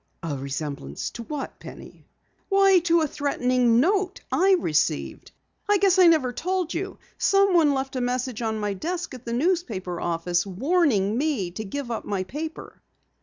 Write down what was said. "A resemblance to what, Penny?" "Why, to a threatening note I received. I guess I never told you. Someone left a message on my desk at the newspaper office, warning me to give up my paper."